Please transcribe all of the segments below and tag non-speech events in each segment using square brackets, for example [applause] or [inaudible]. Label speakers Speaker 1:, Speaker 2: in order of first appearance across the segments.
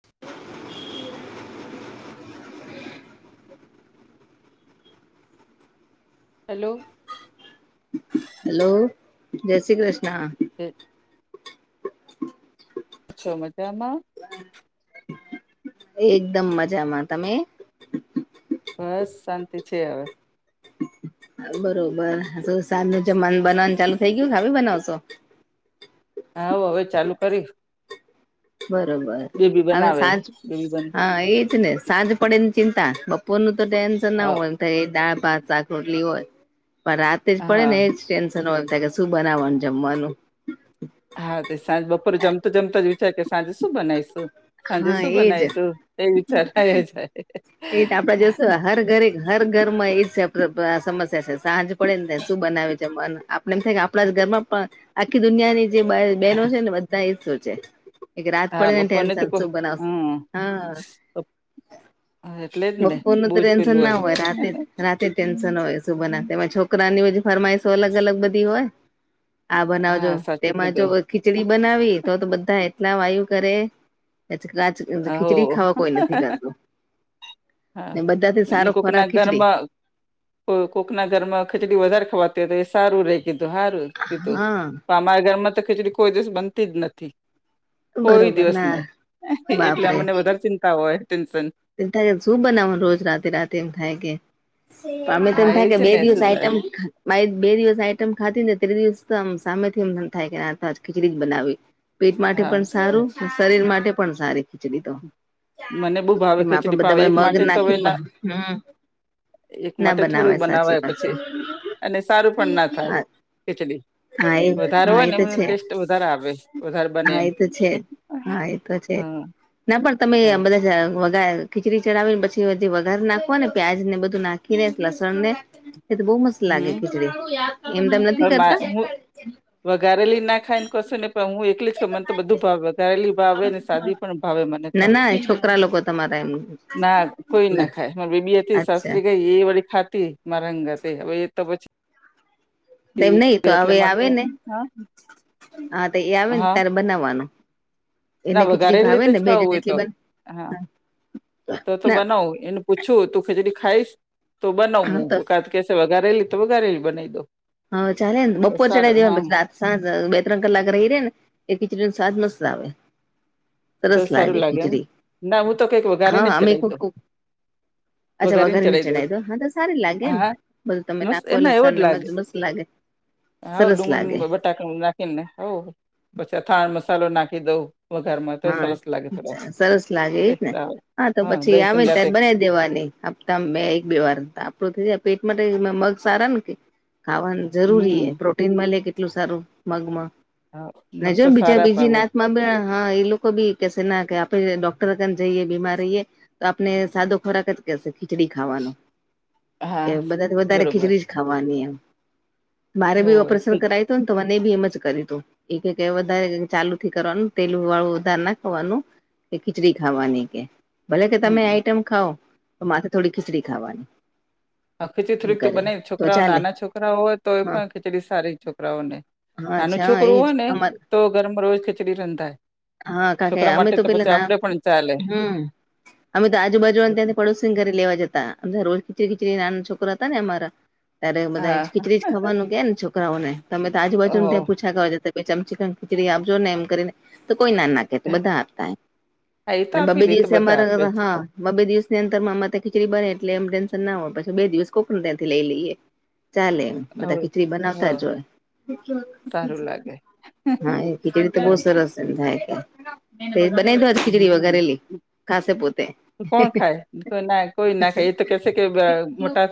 Speaker 1: [inaudible]
Speaker 2: હાલો.
Speaker 1: Hello, Jai Shri Krishna.
Speaker 2: [inaudible] છે મજામાં?
Speaker 1: એકદમ મજામાં, તમે?
Speaker 2: બસ, શાંતિ છે હવે.
Speaker 1: બરોબર, હ સાજનું જમવાનું બનાવનું ચાલુ થઈ ગયું કે હવે બનાવશો?
Speaker 2: હા, હ હવે ચાલુ કરીશ.
Speaker 1: બરોબર, હવે
Speaker 2: બનાવે
Speaker 1: સાંજ
Speaker 2: બેબી બન
Speaker 1: હા એ જ ને સાંજ પડે ને ચિંતા, બપોરનું તો ટેન્શન ના હોય એ દાળ, ભાત, શાક, રોટલી હોય. પણ રાતે જ પડે ને
Speaker 2: હા
Speaker 1: એ જ ટેન્શન હોય થાય કે શું બનાવવાનું જમવાનું?
Speaker 2: હા તે સાંજ બપોરે જમતો જમતો જ વિચાર કે સાંજે શું બનાવીશું, સાંજે
Speaker 1: હા
Speaker 2: શું
Speaker 1: એજ
Speaker 2: બનાવીશું? એવુ વિચાર ખાએ જાય.
Speaker 1: એ આપડે જોઈશું હર ઘરે હર ઘર માં એજ [unintelligible] સમસ્યા છે સાંજ પડે ને શું બનાવે જમવાનું. આપડ એમ થાય કે આપણા ઘરમાં પણ આખી દુનિયાની જે બહેનો છે ને બધા એ જ સોચે. એક રાત
Speaker 2: હા
Speaker 1: પડેને
Speaker 2: બપોરને તો
Speaker 1: ટેન્શન
Speaker 2: કો
Speaker 1: શું બનાવશું હા
Speaker 2: અહ
Speaker 1: બપોરનું તો ટેન્શન ના હોય રાતે રાતે ટેન્શન હોય સુભના તેમાં છોકરાની બધી ફરમાઈશો અલગ અલગ બધી હોય આ બનાવજો
Speaker 2: હા સાચું
Speaker 1: તેમાં જો
Speaker 2: કીધું
Speaker 1: ખીચડી બનાવી તો તો બધા એટલા વાયુ કરે [unintelligible]
Speaker 2: હો
Speaker 1: ખિચડી ખાવા કોઈ નથી જાતું
Speaker 2: હા ને
Speaker 1: સારો
Speaker 2: કોકના
Speaker 1: ખોરાક ખીચડી
Speaker 2: ઘરમાં કો કોકના ઘર માં ખીચડી વધારે ખવાતી હોય તો એ સારું રે કીધું સારું કીધું
Speaker 1: હા
Speaker 2: મારા ઘરમાં તો ખીચડી કોઈ દિવસ બનતી જ નથી. કોઈ
Speaker 1: બરોબર
Speaker 2: દિવસ
Speaker 1: ના
Speaker 2: નહી એટલે
Speaker 1: બાપરે
Speaker 2: અમને વધારે ચિંતા હોય, ટેન્શન
Speaker 1: એમ થાય શું બનાવવાનું રોજ રાતેે રાતેે એમ થાય કે અમે તો એમ
Speaker 2: હા એ
Speaker 1: થાય કે
Speaker 2: છે
Speaker 1: બે
Speaker 2: ને
Speaker 1: દિવસ
Speaker 2: શું થાય
Speaker 1: આઈટમ બે દિવસ આઈટમ ખાતી ને ત તીજા દિવસ આમ સામે થીમ થાય કે ખીચડી જ બનાવી પેટ માટે
Speaker 2: હા
Speaker 1: પણ સારું શરીર માટે પણ સારી ખીચડી તો
Speaker 2: મને બહું ભાવે
Speaker 1: તેમાં આપડે
Speaker 2: ખીચડી પણ
Speaker 1: બધા
Speaker 2: એક
Speaker 1: મગ
Speaker 2: માટે તો હવે તો
Speaker 1: નાખીને
Speaker 2: ના
Speaker 1: હમ
Speaker 2: એક
Speaker 1: ના
Speaker 2: માટે
Speaker 1: બનાવે
Speaker 2: થોડું
Speaker 1: સાચી
Speaker 2: બનાવાય
Speaker 1: વાત છે
Speaker 2: પછી અને સારું પણ ના થાય ખીચડી
Speaker 1: હા એ
Speaker 2: વધારે
Speaker 1: હા
Speaker 2: હોય ને
Speaker 1: એ તો
Speaker 2: એમ
Speaker 1: છે
Speaker 2: ટેસ્ટ વધારે આવે વધારે બને
Speaker 1: હા
Speaker 2: એમ
Speaker 1: એ તો છે જ. હા એ તો છે
Speaker 2: હા
Speaker 1: ના પણ તમે
Speaker 2: તો
Speaker 1: બધા જા વગાર ખીચડી ચડાવી ને પછી બધી વઘાર નાખો ને પ્યાજ ને બધું નાખીને લસણ ને એ તો બહુ મસ્ત લાગે ખીચડી એમ તમને
Speaker 2: માર હું વઘારેલી ના ખાઈને કશું નઈ પણ હું એકલી છું મને તો બધું ભાવે વઘારેલી ભાવે ને સાદી પણ ભાવે મને
Speaker 1: ના
Speaker 2: તો,
Speaker 1: ના છોકરા લોકો તમારા એમ
Speaker 2: ના કોઈ ના ખાય મારી બેબી હતી
Speaker 1: અચ્છા
Speaker 2: શાસ્ત્રી ગઈ એ વાળી ખાતી મારા હંગાતે હવે એ તો પછી
Speaker 1: તેમ નહિ તો
Speaker 2: એટલે
Speaker 1: હવે એ આવે
Speaker 2: માટે
Speaker 1: ને
Speaker 2: હા
Speaker 1: હા તો એ આવે ને
Speaker 2: હા
Speaker 1: ત્યારે બનાવવાનું એને
Speaker 2: ના
Speaker 1: ખીચડી
Speaker 2: વઘારેલી
Speaker 1: ભાવે
Speaker 2: તો જ
Speaker 1: ને બે જણ
Speaker 2: ખાઉં
Speaker 1: જેટલી
Speaker 2: હા તો તો
Speaker 1: ના
Speaker 2: બનાવું એનું પૂછું તું ખેચડી ખાઈશ તો
Speaker 1: હા તો
Speaker 2: બનાવું કા કે વઘારેલી તો વઘારેલી બનાવી દઉં
Speaker 1: હા ચાલે ને બપોર ચડાવી દેવાનું પછી રા સાજ બે ત્રણ કલાક રહી રે ને એ ખીચડીનો સ્વાદ મસ્ત આવે.
Speaker 2: તો
Speaker 1: સરસ
Speaker 2: સારું
Speaker 1: લાગે
Speaker 2: એમ
Speaker 1: ખીચડી
Speaker 2: ના હું તો કંઈક
Speaker 1: હા
Speaker 2: વઘારીને જ
Speaker 1: અમે
Speaker 2: ચડાવી દઉં
Speaker 1: અચ્છા વઘારીને
Speaker 2: ચડાવી દઉં
Speaker 1: ચઢાય તો હા તો સારી લાગે ને
Speaker 2: હા
Speaker 1: બધું તમે નાખો એટલે મસ્ત લાગે
Speaker 2: હઓ
Speaker 1: સરસ લાગે
Speaker 2: ડુંગળીને [unintelligible] [unintelligible] નાખીને હઓ પછી અથાણાનો મસાલો નાખી દઉં વઘારમાં તો
Speaker 1: હા
Speaker 2: સરસ લાગે થોડો
Speaker 1: સરસ લાગે એજ ને
Speaker 2: ટેસ્ટ આવે
Speaker 1: હા તો પછી
Speaker 2: દહીં
Speaker 1: આવે ત્યારે
Speaker 2: સંગાતે
Speaker 1: જ બનાવ દેવાની હપ્તા માં બે એક બે વાર આપડું પેટ માટે મગ સારા ને કે ખાવાનું જરૂરી
Speaker 2: હમ
Speaker 1: એ પ્રોટીન મળે કેટલું સારું મગમાં
Speaker 2: હા મગ
Speaker 1: ના જો
Speaker 2: તો
Speaker 1: બીજા
Speaker 2: સારા પણ
Speaker 1: બીજી
Speaker 2: હવે
Speaker 1: નાત માં બ હા એ લોકો બી કેશે ના કે આપડે ડોક્ટર ને જઈએ બીમાર રહીએ તો આપને સાદો ખોરાક જ કેસે ખીચડી ખાવાનું એ
Speaker 2: હા
Speaker 1: બધા વધારે
Speaker 2: બરોબર
Speaker 1: ખીચડી જ ખાવાની એમ મારે બી
Speaker 2: હોય
Speaker 1: ઓપરેશન કરાયુ હતું ને તો મને બી એમ જ કર્યું હતું એ વધારે ચાલુ થી કરવાનું તેલું વાળું વધારે ના ખાવાનું કે ખીચડી ખાવાની કે ભલે કે તમે
Speaker 2: હમ
Speaker 1: આઈટમ ખાઓ તો માથે થોડી ખીચડી ખાવાની
Speaker 2: આ ખીચડી
Speaker 1: એમ
Speaker 2: થોડીક તો
Speaker 1: કરે
Speaker 2: બનાવી
Speaker 1: તો
Speaker 2: છોકરાઓ
Speaker 1: ચાલે
Speaker 2: નાના છોકરાઓ હોય તો એ
Speaker 1: હા
Speaker 2: પણ ખીચડી સારી છોકરાઓને
Speaker 1: હા
Speaker 2: નાનું
Speaker 1: અચ્છા હા
Speaker 2: છોકરું
Speaker 1: એજ
Speaker 2: હોય ને
Speaker 1: અમા
Speaker 2: તો ગરમ રોજ ખીચડી રંધાય
Speaker 1: હા કા કે
Speaker 2: છોકરા
Speaker 1: અમે
Speaker 2: માટે
Speaker 1: તો પેલા
Speaker 2: પછી
Speaker 1: ના
Speaker 2: આપડે પણ ચાલે
Speaker 1: હમ્મ અમે તો આજુબાજુને
Speaker 2: એટલે
Speaker 1: ત્યાંથી પડોશ ફિંગરે લેવા જતા. અને રોજ ખીચડી ખીચડી નાના છોકરા હતા ને અમારા ત્યારે બધા
Speaker 2: હા
Speaker 1: ખીચડી જ ખાવાનું જ કેને છોકરાઓને. તમે તો આજુબાજુને
Speaker 2: ઓ
Speaker 1: ત્યાં પૂછ છા કરવા જા ચમચી ખન ખીચડી આપજો ને એમ કરીને. તો કોઈ ના ના કેતુ બધા આપતા એમ.
Speaker 2: હા એ તો
Speaker 1: ને
Speaker 2: આપી
Speaker 1: બબે
Speaker 2: દે એ તો
Speaker 1: દિવસે
Speaker 2: બધા આપે
Speaker 1: અમારા
Speaker 2: જ
Speaker 1: હા બબે દિવસની અંતરમાં અમારી ત્યાં ખીચડી બને એટલે એમ ટેન્શન ના હોય. પછી બે દિવસ કોક ને ત્યાંથી લઈ લઈએ. ચાલે એમ બધા
Speaker 2: હવે
Speaker 1: ખીચડી બનાવતા
Speaker 2: હ
Speaker 1: જ હોય.
Speaker 2: સારું લાગે
Speaker 1: હા એ ખીચડી તો બહુ સરસ એમ થાય તે. તે બનાયુ તું આજ ખીચડી
Speaker 2: હમ
Speaker 1: વઘારેલી? ખાશે પોતે
Speaker 2: કોણ ખાય? કોના કોઈ ના ખાય એ તો કેસે કે મોટા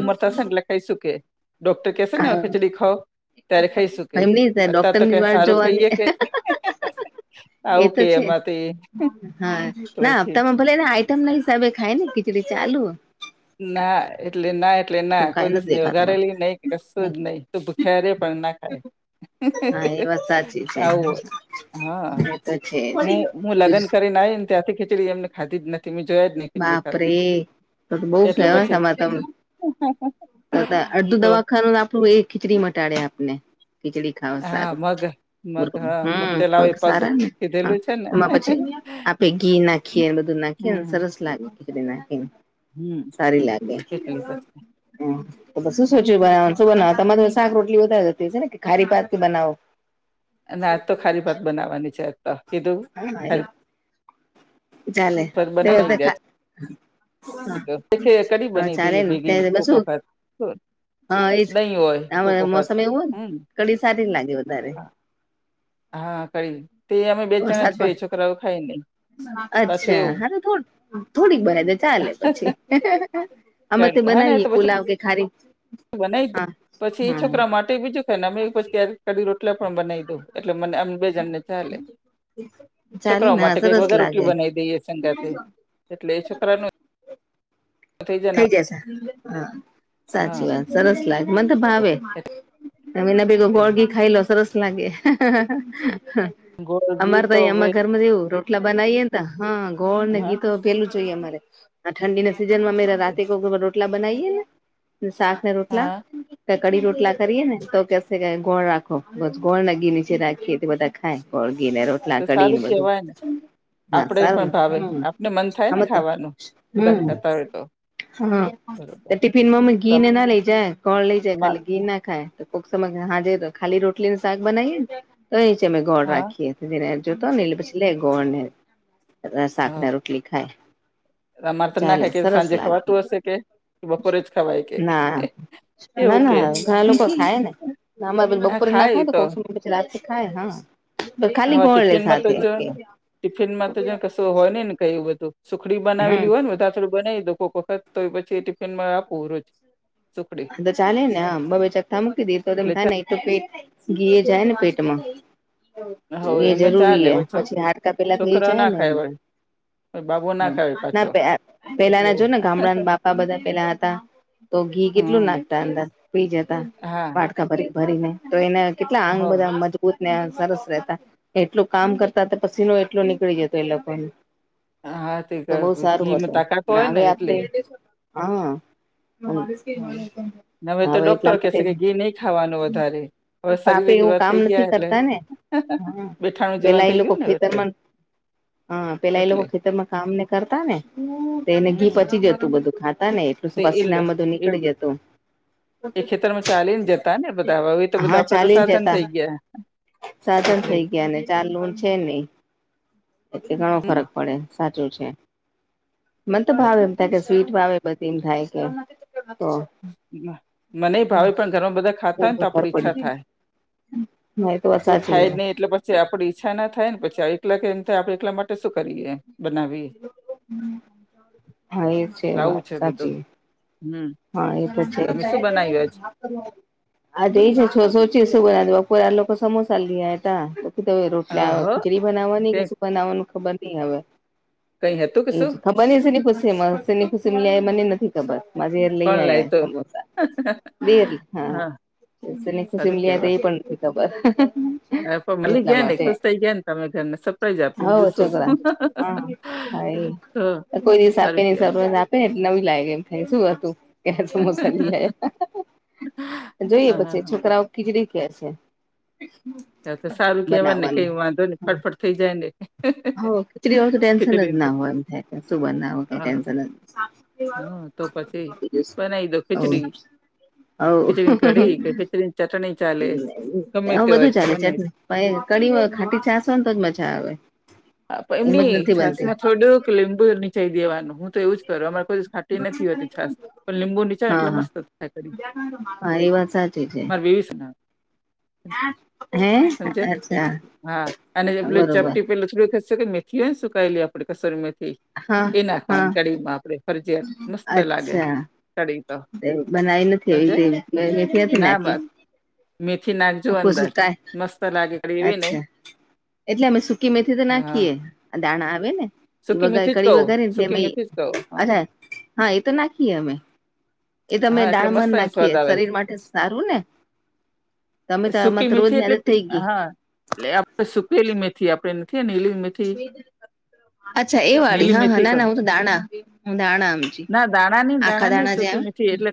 Speaker 2: ઉમર થશે ને એટલે ખાઈશું કે ડોક્ટર કેશે ને હવે ખીચડી ખાઓ. ત્યારે ખઈશું કે.
Speaker 1: એમની
Speaker 2: અત્યારે તો
Speaker 1: ડોક્ટરની
Speaker 2: કે
Speaker 1: જ
Speaker 2: કઈ
Speaker 1: વાટ
Speaker 2: સારું
Speaker 1: જોવાની
Speaker 2: ખઈએ કે.
Speaker 1: એ
Speaker 2: આવું
Speaker 1: તો
Speaker 2: કે
Speaker 1: છે
Speaker 2: અમાર તે
Speaker 1: હા
Speaker 2: તો
Speaker 1: ના
Speaker 2: પછી
Speaker 1: હપ્તામાં ભલે ને આઈટમના હિસાબે ખાય ને ખીચડી ચાલુ હહ.
Speaker 2: ના. એટલે ના એટલે ના
Speaker 1: શું કઈ
Speaker 2: કોઈ દિવસ
Speaker 1: નથી
Speaker 2: નહીં.
Speaker 1: દેખાતું
Speaker 2: વઘારેલી
Speaker 1: મને
Speaker 2: નહી કે કશું જ નહી તે ભૂખ્યા રે પણ ના ખાય.
Speaker 1: હા એ વાત સાચી છે
Speaker 2: આવું હોય. હા
Speaker 1: એ તો છે
Speaker 2: હું હું લગ્ન કરીને આઈને ત્યાંરથી ખીચડી એમને ખાધી જ નથ થી મેં જોયા જ નઈ ખીચડી ખાતે.
Speaker 1: બાપરે તો તો બઉ
Speaker 2: એટલે
Speaker 1: કેવાય
Speaker 2: પછી
Speaker 1: તમારું તો આમ. તોતા અડધું
Speaker 2: તો
Speaker 1: દવાખાનું આપણું એ ખીચડી મટાડે આપને. ખીચડી ખાવા
Speaker 2: હા
Speaker 1: સારું.
Speaker 2: મગ મગ
Speaker 1: બરાબર
Speaker 2: હા
Speaker 1: હમ
Speaker 2: ચલાવે
Speaker 1: મગ
Speaker 2: પગ
Speaker 1: સારા ને હા
Speaker 2: કીધેલું છે ને
Speaker 1: એમાં પછી આપ પે ઘી નાખીએ ને બધું નાખીએ ને
Speaker 2: હમ
Speaker 1: સરસ લાગે ખીચડી નાખીને.
Speaker 2: હમ
Speaker 1: સારી લાગે
Speaker 2: એટલે પછી
Speaker 1: હમ. તમે શું સોચ્યું બનાવાનું? શું બનાવો તમારે તો શાક રોટલી વધારે જતી હશે ને કે ખારીભાત કે બનાવો?
Speaker 2: ના આજ તો ખારીભાત બનાવાની છે આજ તો. કીધું ખારી
Speaker 1: ચાલે
Speaker 2: ભાત
Speaker 1: તે તો
Speaker 2: બનાવી દે
Speaker 1: ખા હા
Speaker 2: કીધું કઢી
Speaker 1: હા
Speaker 2: બનાવી
Speaker 1: ચાલે
Speaker 2: દઈએ
Speaker 1: ને
Speaker 2: ભેગી
Speaker 1: તે તો
Speaker 2: કોક
Speaker 1: શું
Speaker 2: વખત
Speaker 1: હા એજ.
Speaker 2: દહીં હોય કોક
Speaker 1: આ
Speaker 2: વખત
Speaker 1: મોસમ એવું હોય ને
Speaker 2: હમ
Speaker 1: કઢી સારી લાગે વધારે.
Speaker 2: હા કરી તે અમે બે જણા
Speaker 1: વરસાદ
Speaker 2: જ ખાઇએ
Speaker 1: પણ
Speaker 2: છોકરાઓ ખાય નહી. પાછું
Speaker 1: અચ્છા.
Speaker 2: એવું
Speaker 1: હારું તો થોડીક બનાવ દઈ તો ચાલે પછી. અમે તો
Speaker 2: કઢી હા ને એ
Speaker 1: બનાવીએ
Speaker 2: પછી
Speaker 1: પુલાવ કે ખારી
Speaker 2: બનાવી
Speaker 1: હા
Speaker 2: પછી એ
Speaker 1: હા
Speaker 2: છોકરાઓ માટે બીજું ખાય ને અમે પછી કઢી રોટલા પણ બનાઈ દઉં એટલે મને અમ બે જણ ને ચાલે.
Speaker 1: ચાલે
Speaker 2: છોકરાઓ
Speaker 1: ને
Speaker 2: માટે કંઈક
Speaker 1: સરસ
Speaker 2: વઘારેલી રોટલી
Speaker 1: લાગે
Speaker 2: બનાવી દઈએ સંગાતે. એટલે છોકરાનું
Speaker 1: થઈ જસે હા
Speaker 2: હા
Speaker 1: સાચી વાત. સરસ લાગ મન તો ભાવે. એમ એના ભેગો ગોળ ઘી ખાઈ લો સરસ લાગે.
Speaker 2: ગોળ ઘી
Speaker 1: અમારે તો એ
Speaker 2: હવે
Speaker 1: આમાં ઘરમાં તો એવું રો ટલા બનાઈએ ને તા હા ગોળ ને
Speaker 2: હા
Speaker 1: ઘીતો પેલું જોઈએ અમારે. આ ઠંડીના સીઝનમાં રાતે કોક રોટલા બનાઈને શાક ને રોટલા.
Speaker 2: હા
Speaker 1: કઢી રોટલા કરીએ ને તો કેશે કે ગોળ રાખો. બસ ગોળ ને ઘી નીચે રાખીએ તે બધા ખાય. ગોળ ઘી ને રોટ
Speaker 2: તો સારું કેવાય ને.
Speaker 1: હા
Speaker 2: આપણે
Speaker 1: સારું
Speaker 2: પણ
Speaker 1: ને
Speaker 2: ભાવે.
Speaker 1: હમ
Speaker 2: આપને મન થાય
Speaker 1: આમ
Speaker 2: ને
Speaker 1: તો
Speaker 2: ખાવાનું બધા
Speaker 1: હમ
Speaker 2: ખાતા હોય તો.
Speaker 1: હા તે
Speaker 2: બરોબર
Speaker 1: ટિફિનમાં અમે ઘીને ના લઈ જાય. ગોળ લઈ જાય
Speaker 2: તમા
Speaker 1: ખાલી ઘી ના ખાય. તો કોક સમય સાંજે તો ખાલી રોટલીને શાક બનાવીએ ને. તો એ છે અમે ગોળ
Speaker 2: હા
Speaker 1: રાખીએ જેને જોતો હોય ને એટલે પછી લે ગોળ ને શાકને
Speaker 2: હા
Speaker 1: રોટ ઘી ખાય.
Speaker 2: અમારે તો ના
Speaker 1: ચાલે
Speaker 2: ખાય કેય
Speaker 1: સરસ
Speaker 2: સાંજે
Speaker 1: લાગે
Speaker 2: ખવાતું હશે કે બપોરે જ ખવાય કે.
Speaker 1: ના ના
Speaker 2: એવું કે
Speaker 1: ના ઘણા લોકો ખાય ને અમારે બપોરે ના ખાય તો [inaudible] રાતે ખાય હા તો ખાલી
Speaker 2: હવે
Speaker 1: ગોળ લે
Speaker 2: ટિફિનમાં તો
Speaker 1: સાથે.
Speaker 2: જો ને ટિફિનમાં જો કશું તો હોય ને કયું બધું સુખડી
Speaker 1: હમ
Speaker 2: બનાવેલી હોય ને બધા સુખડી બનાવી દવ કોઈક વખત તો એ પછી ટિફિનમાં આપું રોજ. સુખડી
Speaker 1: તો ચાલે ને આમ બબે ચખ્થા મૂકી દેવ તો
Speaker 2: એટલે
Speaker 1: ખાય ને એટલું તો પેટમાં ઘીએ જાય ને પેટમાં.
Speaker 2: હ
Speaker 1: એ
Speaker 2: એમને
Speaker 1: જરૂરી
Speaker 2: ચાલે
Speaker 1: છે
Speaker 2: હવે
Speaker 1: હે પછી હાડકા પેલા થઈ
Speaker 2: છોકરા
Speaker 1: જાય
Speaker 2: ના
Speaker 1: ને
Speaker 2: ખાય
Speaker 1: એમ.
Speaker 2: વળી બાબુ ના ખાય
Speaker 1: ના
Speaker 2: પાછો
Speaker 1: પે અહ પેલા
Speaker 2: એટલે
Speaker 1: ના
Speaker 2: એવું
Speaker 1: જોને ગામડાના બાપા બધા હતા તો ઘી કેટલું
Speaker 2: હમ
Speaker 1: નાખતા અંદર પી જાતા
Speaker 2: હા
Speaker 1: વાટકા ભરી ભરીને તો એને કેટલા અંગ
Speaker 2: હવ
Speaker 1: બધા મજ ને સરસ રહેતા એટલું કામ કરતા હતા પસીનો એટલો નીકળી જતો એ લોકોને.
Speaker 2: હા તે ક
Speaker 1: તો બહુ સારું
Speaker 2: ઘીમાં
Speaker 1: હતું
Speaker 2: તાકાત
Speaker 1: ને
Speaker 2: હોય
Speaker 1: હવે આપણે
Speaker 2: એટલે
Speaker 1: હા તે
Speaker 2: હ
Speaker 1: મને પણ
Speaker 2: તો
Speaker 1: હવે
Speaker 2: ડોક્ટર
Speaker 1: એટલા માટે
Speaker 2: કેશે કે ઘી નહી ખાવાનું વધારે હવે
Speaker 1: આપડે
Speaker 2: શરીર
Speaker 1: એવું
Speaker 2: જેવા
Speaker 1: કામ
Speaker 2: થઈ ગયા
Speaker 1: નથી
Speaker 2: એટલે
Speaker 1: કરતા ને. હા
Speaker 2: બેઠાણું જીવન
Speaker 1: પેલા એ
Speaker 2: થઈ
Speaker 1: લોકો
Speaker 2: ગયું ને એટલે
Speaker 1: ખેતરમાં હા પેલા એ લોકો
Speaker 2: એટલે
Speaker 1: ખેતરમાં કામ ને કરતા ને એને ઘી
Speaker 2: હમ
Speaker 1: પચી જતું બધું ખાત ને એટલું
Speaker 2: તે એ
Speaker 1: સુભાસીના બધુ નીકળી જતું
Speaker 2: એ ખેતર માં ચાલી ને જતા ને બધા હ એ તો બધા
Speaker 1: હા
Speaker 2: આપડા તો
Speaker 1: ચાલીને
Speaker 2: સાધન
Speaker 1: જતા
Speaker 2: થઈ ગયા.
Speaker 1: સાધન
Speaker 2: એટલે
Speaker 1: થઈ ગયા ને ચાલવું છે નહી પછી ઘણો
Speaker 2: હમ
Speaker 1: ફરક પડે. સાચું છે મને તો ભાવ એમ થાય કે સ્વીટ વાવે બધી એમ થાય કે હા તો
Speaker 2: મને ભાવે પણ ઘરમાં બધા ખાતા હોયને
Speaker 1: બોલું
Speaker 2: તો
Speaker 1: ખર
Speaker 2: આપડી ઈચ્છા
Speaker 1: પડી
Speaker 2: થાય.
Speaker 1: હા એ તો વાત
Speaker 2: કોઈ
Speaker 1: સાચી
Speaker 2: ખાઈ જ નહી એટલે જે આપડે ઈચ્છા ના થાય ને પછી એકલા કે એમ થાય આપડે એકલા માટે શું કરીએ. બનાવી
Speaker 1: હા એ
Speaker 2: લાવું
Speaker 1: વાત
Speaker 2: છે બધું
Speaker 1: સાચી
Speaker 2: હમ્મ.
Speaker 1: હા એ તો છેજ. આ એ જ છ સોચીશું બ બપોરા લોકો સમોસા લ હતા. રોટલી
Speaker 2: હ હ
Speaker 1: ખીચડી કે
Speaker 2: કઈ
Speaker 1: બનાવવાનું ખબર નહી હવે
Speaker 2: કઈ હતું કે
Speaker 1: એજ
Speaker 2: શું
Speaker 1: ખ બને શેની ખુશી મળશે શેની ખુશી આએ મને નથી ખબર. યાર લઈ
Speaker 2: કોણ લાય
Speaker 1: આયા
Speaker 2: તો
Speaker 1: સમોસા બેર હા શેની ખુશી મ
Speaker 2: સારું
Speaker 1: લ તો
Speaker 2: કેવાય
Speaker 1: એ પણ નથી જ ખબર
Speaker 2: હા પણ મળી
Speaker 1: એટલા
Speaker 2: ગયા ને
Speaker 1: માટે
Speaker 2: ખુશ થઈ ગયા ને તમે ઘરને સરપ્રાઈઝ આપી
Speaker 1: હવ
Speaker 2: બીજું શું
Speaker 1: છોકરા હા હા
Speaker 2: તો
Speaker 1: એ કોઈ દિવસ આપે
Speaker 2: સારું
Speaker 1: ની
Speaker 2: કેવાય
Speaker 1: સા રાત પેટ નવી લાગ એમ થાય શું હતું. ક્યા
Speaker 2: હા,
Speaker 1: સમોસા લઈ આયા જોઈએ
Speaker 2: હા,
Speaker 1: પછી
Speaker 2: હા, બસ.
Speaker 1: છોકરાઓ કીચડી કેહ છે.
Speaker 2: તો તો સારું
Speaker 1: [inaudible]
Speaker 2: કહેવાય ને કંઈ
Speaker 1: બનાવાનું
Speaker 2: વાંધો નહીં, ફટફટ થઈ જાય ને.
Speaker 1: હા કેટલી ઓર ટેન્શન જ
Speaker 2: ખીચડીન તો
Speaker 1: ના હોય એમ. ને શું બનાવો કે
Speaker 2: હા,
Speaker 1: ટેન્સન
Speaker 2: એ બનાઈ દો ખિચડી
Speaker 1: હવ
Speaker 2: ખિચડી ને કડી કે ખીચડી ને ચટણી.
Speaker 1: હ
Speaker 2: ચાલે, ગમે
Speaker 1: તેવું
Speaker 2: તે હોય
Speaker 1: બધું ચાલે
Speaker 2: બનાવી દો.
Speaker 1: ચટણી પણ કડી ખાટી ચાસો ને તો જ મજા આવે.
Speaker 2: હ પણ
Speaker 1: એમ જ
Speaker 2: એમની
Speaker 1: નથી
Speaker 2: છાસ
Speaker 1: બનતી
Speaker 2: માં થોડુંક લીંબુ નીચાઈ દેવાનું હું તો એવું જ કરું અમારે કોઈ તે નથી હોતી છાસ પણ લીંબુ નીછોડે
Speaker 1: હા
Speaker 2: એટલે
Speaker 1: હા
Speaker 2: મસ્ત થાય કઢી.
Speaker 1: હા એ વાત સાચી છે.
Speaker 2: મારી વીવસના
Speaker 1: હે
Speaker 2: સમજ્યા?
Speaker 1: અચ્છા બરોબર.
Speaker 2: થશે કે મેથી હોય સુકાયેલી આપે કસોરી મેથી
Speaker 1: હા
Speaker 2: એ
Speaker 1: હા
Speaker 2: નાખવાની કાઢી માં આપડે ફરજીયાત મસ્ત લાગે કઢી તો
Speaker 1: એવુ બનાવી નથી
Speaker 2: સમજે
Speaker 1: એવી હતી [unintelligible] ક્યાંથી
Speaker 2: ના મ
Speaker 1: નાખી
Speaker 2: મેથી નાખજો અંદર
Speaker 1: કોશિશ ટ્રાય
Speaker 2: મસ્ત લાગે [unintelligible]
Speaker 1: અચ્છા એટલે અમે મેથી તો
Speaker 2: હા
Speaker 1: નાખીએે દાણા આવે ને
Speaker 2: સૂકી
Speaker 1: વગા
Speaker 2: મેથી જ
Speaker 1: કડી
Speaker 2: કહું
Speaker 1: વઘારીએ એટલે
Speaker 2: સૂકી
Speaker 1: અમે
Speaker 2: મેથી જ કહું હા
Speaker 1: અછા હા એ તો નાખીએ અમે. એ ત અમે
Speaker 2: હા એટલે
Speaker 1: ડાળ માં
Speaker 2: મસ્ત એનો
Speaker 1: નાખીએ
Speaker 2: સ્વાદ આવે
Speaker 1: શરીર માટે સારું ને તમે તો આરે
Speaker 2: સૂકી
Speaker 1: તો
Speaker 2: મેથી
Speaker 1: રોજની
Speaker 2: એટલે
Speaker 1: આદત
Speaker 2: પે
Speaker 1: થઈ ગઈ.
Speaker 2: હા એટલે આપડે સુકેલી મેથી આપડે નથી નેલી મે
Speaker 1: અચ્છા એ વાળી
Speaker 2: નીલી
Speaker 1: હા હા
Speaker 2: મેથી
Speaker 1: ના
Speaker 2: કહું
Speaker 1: ના હું તો દાણા હું દાણા હમજી
Speaker 2: દાણા દાણા હી સુકી મીઠી એટલે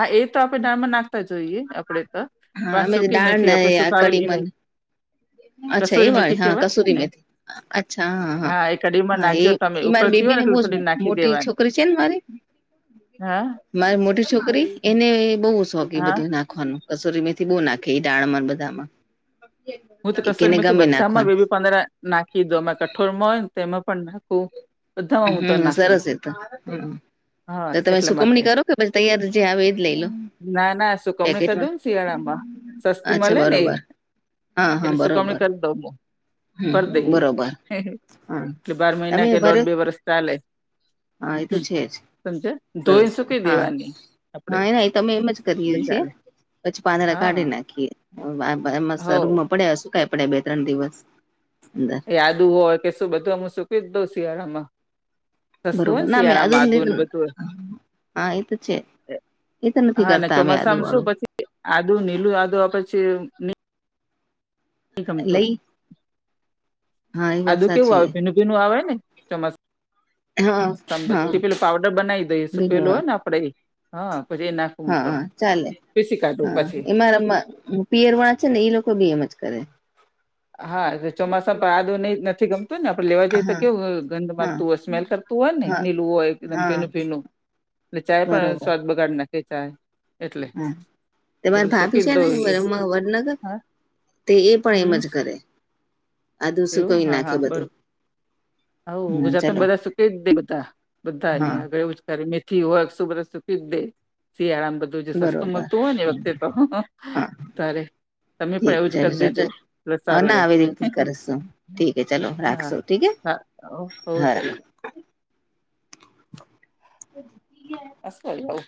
Speaker 2: હા એ તો આપડે દાળમાં નાખતા જોઈએ આપડે ત
Speaker 1: હા અમે તો ડાળ ને કડી માં અચ્છા એ
Speaker 2: કસૂરી મેથી
Speaker 1: વાળી
Speaker 2: કહેવાય
Speaker 1: કસૂરી
Speaker 2: ને
Speaker 1: મેથી અચ્છા હા હા
Speaker 2: એ કઢીમાં
Speaker 1: હા એ
Speaker 2: નાખજો તમે
Speaker 1: એ મારી
Speaker 2: ઉકળતી હોય
Speaker 1: બેબી ને બો
Speaker 2: એટલે
Speaker 1: જ
Speaker 2: થોડી નાખી
Speaker 1: મોટી
Speaker 2: દેવાની
Speaker 1: છોકરી છે ને મારી
Speaker 2: હા.
Speaker 1: મારી મોટી છોકરી એને બહુ શોખ એ
Speaker 2: હા
Speaker 1: બધું. નાખવાનું કસોરી મેથી બો નાખે ડાળમાં ને બધામાં.
Speaker 2: હું તો
Speaker 1: એને
Speaker 2: કસરમાંથી
Speaker 1: ગમે
Speaker 2: બધામાં
Speaker 1: નાખવાનું
Speaker 2: બેબી પાંદરા નાખી દો અમે કઠોરમાં હોય ને તેમાં પણ નાખું.
Speaker 1: હમ
Speaker 2: બધામાં હું તો
Speaker 1: હમ
Speaker 2: નાખું
Speaker 1: સરસ એ તો હમ
Speaker 2: હા
Speaker 1: તો તમે
Speaker 2: એટલા માટે
Speaker 1: સુકવણી કરો કે પછી તયાર જે આવે એ જ લઈ લો
Speaker 2: ના ના સુકવણી
Speaker 1: પેકેટમાં
Speaker 2: કરદુને શિયાળા માં સસ્તી
Speaker 1: અચ્છા
Speaker 2: મળે ને એ
Speaker 1: બરોબર હા હા
Speaker 2: એટલે સુકામણી
Speaker 1: બરોબર
Speaker 2: કરી દઉ
Speaker 1: હમ
Speaker 2: ભર
Speaker 1: હમ,
Speaker 2: દઈએ
Speaker 1: બરોબર હા
Speaker 2: એટલે બાર
Speaker 1: તમે
Speaker 2: મહિના કે દોઢ
Speaker 1: ભર્યો
Speaker 2: બે વરષ ચાલે
Speaker 1: હા એ તો છે જ
Speaker 2: સમજ ધોઈ
Speaker 1: સરસ સરસ
Speaker 2: સુકી
Speaker 1: હા
Speaker 2: દેવાની આપણે
Speaker 1: હા એ ના એ તમે એમ જ કરીએ
Speaker 2: એટલે
Speaker 1: છે
Speaker 2: ચાલે
Speaker 1: પછી પાંદરા કાઢી
Speaker 2: હા
Speaker 1: નાખીએ
Speaker 2: હો
Speaker 1: શરૂમાં પડે શુંકાય બે ત્રણ દિવસ
Speaker 2: યાદું હોય કે શું બધું અમું સુકી જ દઉં શિયાળામાં સસ્તું હોય
Speaker 1: બરોબર
Speaker 2: ને
Speaker 1: ના અમે
Speaker 2: શિયાળા આદુ ને
Speaker 1: લીધું
Speaker 2: બધું
Speaker 1: હા એ તો છે
Speaker 2: હોય
Speaker 1: એ તો નથી
Speaker 2: હા ને
Speaker 1: કરતા અમે આદુ
Speaker 2: ચોમાસામાં શું
Speaker 1: વાળું
Speaker 2: પછી? આદું નીલું આદુ પછી નહી [unintelligible]
Speaker 1: લઈ હા એ વાત
Speaker 2: આદું કેવું
Speaker 1: સાચી
Speaker 2: આવે ભીનું ભીનું આવેને ચોમાસ
Speaker 1: હા હા
Speaker 2: પેલું પાવડર બનાવી દઈએ
Speaker 1: બીનું
Speaker 2: સુકેલું હોયને આપડે હ પછી એના
Speaker 1: હા હા ચાલે હા એમાંરા પિયરવાળા છે ને એ લોકો બી એમ જ કરે
Speaker 2: હા એ ચોમાસા પણ આદું નથી ગમતુંને આપડે જઈએ તો
Speaker 1: હા
Speaker 2: કેવું
Speaker 1: હા
Speaker 2: મારતું સ્મેલ કર હોય ને
Speaker 1: હા
Speaker 2: નીલું હોય એકદમ
Speaker 1: હા
Speaker 2: ભીનું ભીનું અને ચાય પણ
Speaker 1: બરોબર
Speaker 2: સ્વાદ બગાડી નાખે ચાય એટલે
Speaker 1: હા
Speaker 2: એ
Speaker 1: તમારી
Speaker 2: બધું સુકી
Speaker 1: ભાભી છે
Speaker 2: જ
Speaker 1: ને
Speaker 2: દઉં
Speaker 1: વડનગર
Speaker 2: હા
Speaker 1: તે એ પણ
Speaker 2: હમ
Speaker 1: એમ જ કરે આધું
Speaker 2: એવું
Speaker 1: સુુંકવી
Speaker 2: હા
Speaker 1: નાખે
Speaker 2: હા બરોબર
Speaker 1: બધું
Speaker 2: હવ
Speaker 1: હમ
Speaker 2: ગુજરાતમાં
Speaker 1: ચલો
Speaker 2: બધા સુકે જ દે બધા બધા
Speaker 1: હા
Speaker 2: અહિયાં એવુજ મેથી હોય [unintelligible] દે શિયાળામાં બદ ધું જે સસ્તું
Speaker 1: બરોબર
Speaker 2: મળતું હોય ને વખતે તો
Speaker 1: હા
Speaker 2: તારે તમે પણ
Speaker 1: ઠીક
Speaker 2: એવું જ
Speaker 1: છે
Speaker 2: કરી દેજો પણ
Speaker 1: હ
Speaker 2: સારું
Speaker 1: ના
Speaker 2: રે
Speaker 1: આવી રીતે કરશું ઠીક હે ચલો
Speaker 2: હા
Speaker 1: રાખશો ઠીક હે
Speaker 2: હા હવ
Speaker 1: હા રાખો
Speaker 2: ચલો
Speaker 1: [inaudible]
Speaker 2: અસુ આવી જાય.